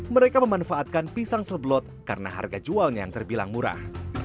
mereka memanfaatkan pisang seblot karena harga jualnya yang terbilang murah